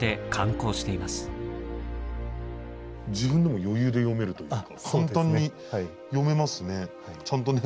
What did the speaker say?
自分でも余裕で読めるというかちゃんとね